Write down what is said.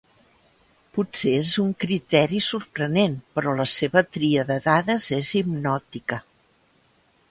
Potser és un criteri sorprenent, però la seva tria de dades és hipnòtica.